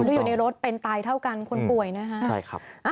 คนที่อยู่ในรถเป็นตายเท่ากันคนป่วยนะคะ